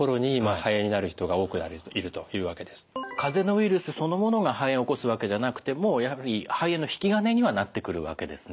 ですのでかぜなどがかぜのウイルスそのものが肺炎を起こすわけじゃなくてもやはり肺炎の引き金にはなってくるわけですね。